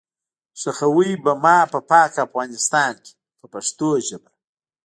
ښخوئ به ما په پاک افغانستان کې په پښتو ژبه.